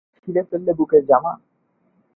ছিঁড়ে ফেললে বুকের জামা।